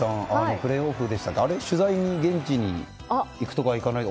プレーオフでしたっけ、取材を現地に行くとか行かないとか。